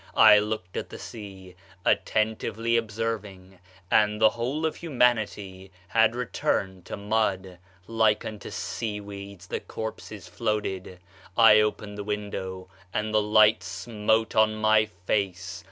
I looked at the sea, attentively observing and the whole of humanity had returned to mud; like unto sea weeds the corpses floated. I opened the window, and the light smote on my face.